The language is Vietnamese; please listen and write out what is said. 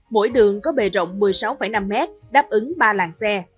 mỗi đường có bề rộng một mươi sáu năm mét đáp ứng ba làng xe